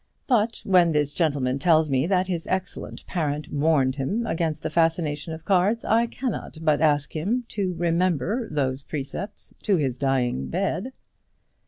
But when this gentleman tells me that his excellent parent warned him against the fascination of cards, I cannot but ask him to remember those precepts to his dying bed."